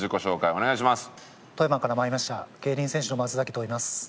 お願いします。